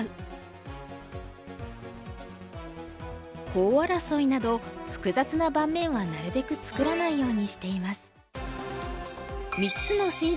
コウ争いなど複雑な盤面はなるべく作らないようにしています。